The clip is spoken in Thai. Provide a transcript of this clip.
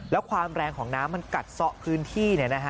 แล้วความแรงของน้ำมันกัดซ่อพื้นที่